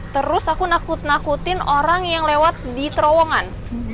terus aku nakut nakutin orang yang lewat di terowongan